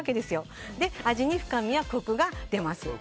それで味に深みやコクが出ます。